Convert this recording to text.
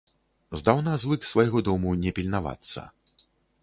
Здаўна звык свайго дому не пільнавацца.